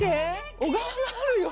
小川があるよ